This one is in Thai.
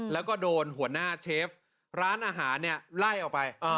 แล้วก็โดนหัวหน้าเชฟร้านอาหารเนี่ยไล่ออกไป